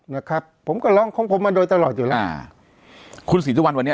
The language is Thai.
นะครับผมก็ร้องของผมมาโดยตลอดอยู่แล้วคุณศรีสุวรรณวันนี้